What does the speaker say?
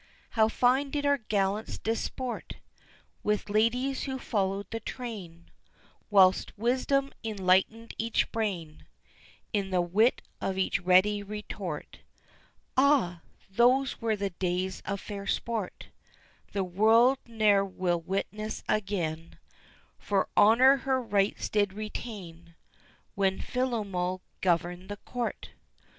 How fine did our gallants disport With ladies who followed the train, Whilst wisdom enlightened each brain In the wit of each ready retort. Ah! those were the days of fair sport The world ne'er will witness again, For Honour her rights did retain When Philomel governed the Court.